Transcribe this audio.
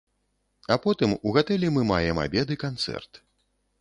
А потым у гатэлі мы маем абед і канцэрт.